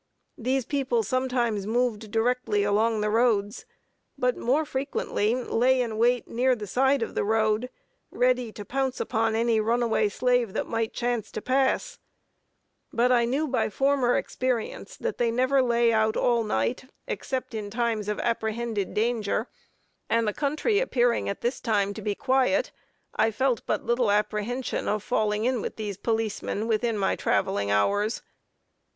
These people sometimes moved directly along the roads, but more frequently lay in wait near the side of the road, ready to pounce upon any runaway slave that might chance to pass; but I knew by former experience that they never lay out all night, except in times of apprehended danger; and the country appearing at this time to be quiet, I felt but little apprehension of falling in with these policemen, within my traveling hours.